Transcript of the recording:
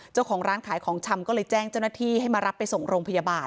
เจ้าของร้านขายของชำก็เลยแจ้งเจ้าหน้าที่ให้มารับไปส่งโรงพยาบาล